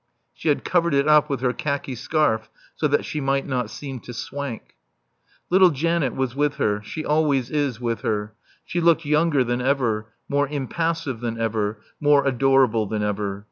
She had covered it up with her khaki scarf so that she might not seem to swank. Little Janet was with her. She always is with her. She looked younger than ever, more impassive than ever, more adorable than ever.